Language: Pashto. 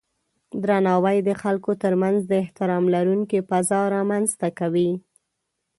درناوی د خلکو ترمنځ د احترام لرونکی فضا رامنځته کوي.